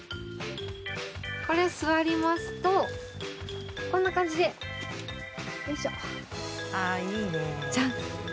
これ、座りますとこんな感じでじゃん！